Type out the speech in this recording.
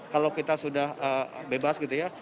kalau kita sudah bebas gitu ya